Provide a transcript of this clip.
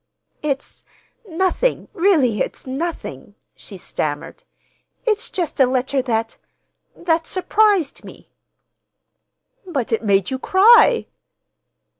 "It's—nothing, really it's nothing," she stammered. "It's just a letter that—that surprised me." "But it made you cry!"